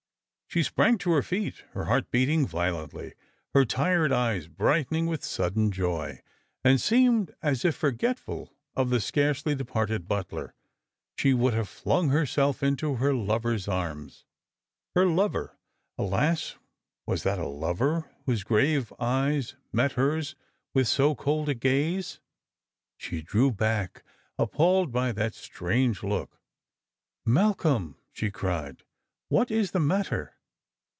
She sprang to her feet, her heart beating violently, her tired eyes brightening with sudden joy, and seemed as if, forgetful of the scarcely departed butler, she would have flung herself into her lover's arms. Her lover ! Alas, was that a lover whose grave eyes met hers with so cold a gaze ? She drew back, appalled by that strange look. " Malcolm !" she cried, " what is the matter